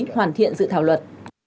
hoàn thiện dự thảo luật